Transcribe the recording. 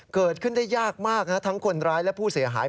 เกิดขึ้นได้ยากมากนะทั้งคนร้ายและผู้เสียหาย